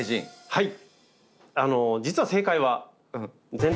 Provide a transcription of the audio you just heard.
はい。